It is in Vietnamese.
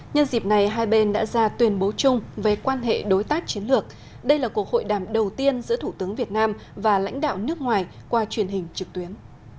nhân dịp này hai bên đã ra tuyên bố chung về quan hệ đối tác chiến lược đây là cuộc hội đàm đầu tiên giữa thủ tướng việt nam và lãnh đạo nước ngoài qua truyền hình trực tuyến